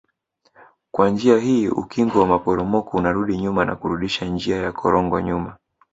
Kwa njia hii ukingo wa maporomoko unarudi nyuma na kurudisha njia ya korongo nyuma